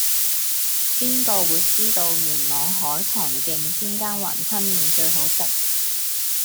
邊個會知道元朗海棠徑邊間雲吞麵最好食